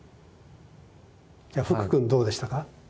じゃあ福くんどうでしたか？